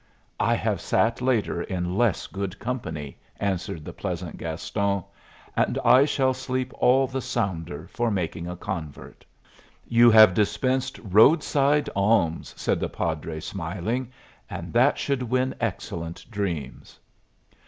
"I have sat later in less good company," answered the pleasant Gaston. "And I shall sleep all the sounder for making a convert." "You have dispensed roadside alms," said the padre, smiling. "And that should win excellent dreams."